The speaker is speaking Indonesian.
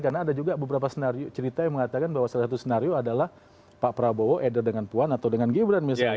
karena ada juga beberapa senario cerita yang mengatakan bahwa salah satu senario adalah pak prabowo either dengan puan atau dengan gibran misalnya